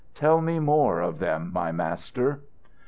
Tell me more of them, my Master."